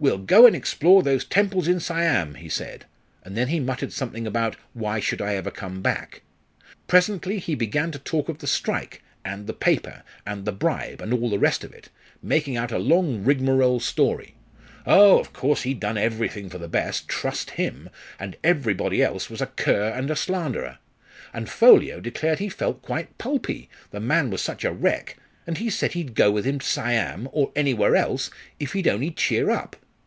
'We'll go and explore those temples in Siam,' he said, and then he muttered something about 'Why should I ever come back?' Presently he began to talk of the strike and the paper and the bribe, and all the rest of it, making out a long rigmarole story. Oh! of course he'd done everything for the best trust him! and everybody else was a cur and a slanderer. And Ffolliot declared he felt quite pulpy the man was such a wreck; and he said he'd go with him to Siam, or anywhere else, if he'd only cheer up.